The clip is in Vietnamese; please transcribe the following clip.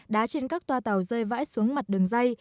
đá trên các toa tàu rơi vãi xuống mặt đường dây